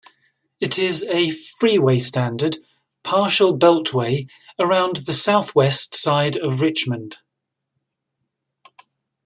It is a freeway-standard partial beltway around the southwest side of Richmond.